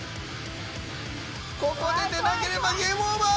ここで出なければゲームオーバー。